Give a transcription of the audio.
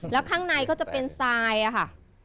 แล้วข้างในก็จะเป็นทรายอะค่ะ